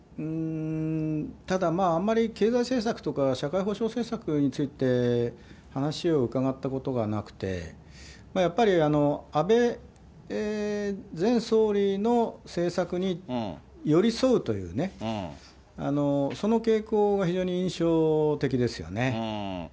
ただ、あまり経済政策とか、社会保障政策について、話を伺ったことがなくて、やっぱり安倍前総理の政策に寄り添うというね、その傾向が非常に印象的ですよね。